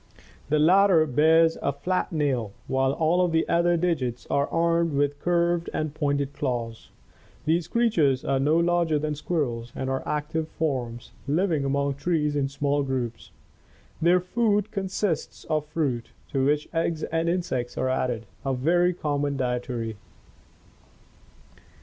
The latter bears a flat nail, while all of the other digits are armed with curved and pointed claws. These crea tures are no larger than squirrels and are active forms, living among the trees in small groups. Their food consists of fruit, to which eggs and insects are added, a very common dietary.